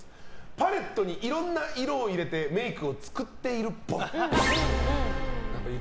パレットにいろんな色を入れてメイクを作っているっぽい。